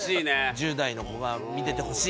１０代の子が見ててほしい。